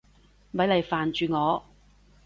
咪嚟煩住我！